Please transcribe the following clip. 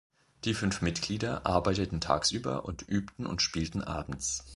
Die fünf Mitglieder arbeiteten tagsüber und übten und spielten abends.